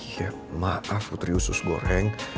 setiap maaf putri usus goreng